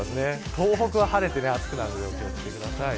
東北は晴れて暑くなるのでお気を付けください。